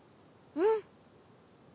うん。